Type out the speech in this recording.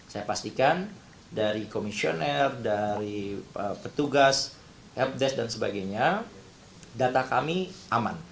saya pastikan dari komisioner dari petugas hepdesk dan sebagainya data kami aman